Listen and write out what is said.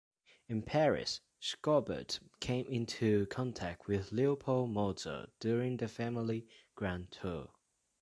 In Paris, Schobert came into contact with Leopold Mozart during the family's grand tour.